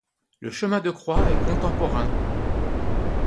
Le chemin de croix est contemporain.